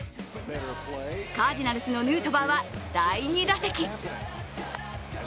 カージナルスのヌートバーは第２打席。